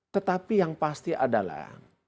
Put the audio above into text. tetapi yang pasti adalah